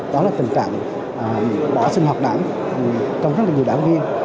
đó là tình trạng bỏ sinh hoạt đảng còn rất là nhiều đảng viên